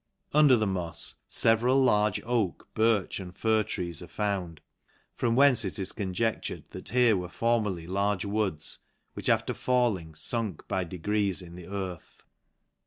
Under the mofs feveral large oak, birch, and fir trees are found ; from whence it is conjectured that here were formerly large woods, which, after fulling funk by degrees in the earth, N 5 Near 274 L A N C A SHI R E.